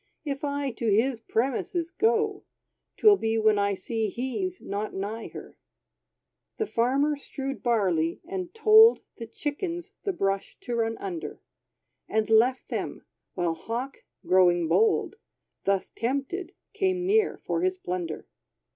If I to his premises go. 'Twill be when I see he's not nigh her." The Farmer strewd barley, and toled The chickens the brush to run under, And left them, while Hawk growing bold, Thus tempted, came near for his plunder.